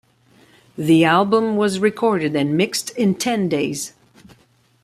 The album was recorded and mixed in ten days.